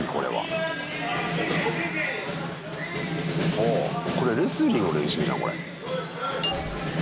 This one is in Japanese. ほうこれレスリングの練習じゃんこれ。